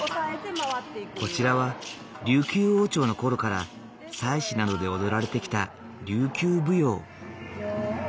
こちらは琉球王朝の頃から祭祀などで踊られてきた琉球舞踊。